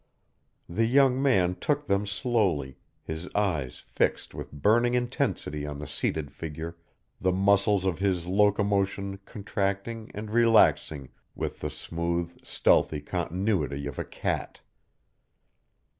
The young man took them slowly, his eyes fixed with burning intensity on the seated figure, the muscles of his locomotion contracting and relaxing with the smooth, stealthy continuity of a cat.